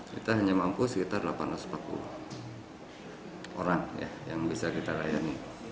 kita hanya mampu sekitar delapan ratus empat puluh orang yang bisa kita layani